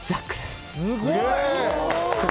すごい！